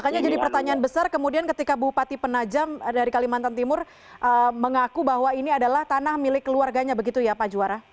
makanya jadi pertanyaan besar kemudian ketika bupati penajam dari kalimantan timur mengaku bahwa ini adalah tanah milik keluarganya begitu ya pak juara